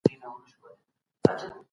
ته ولي ليکنه کوې؟